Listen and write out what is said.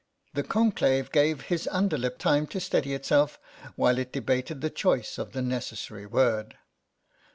The conclave gave his under lip time to steady itself while it debated the choice of the necessary word.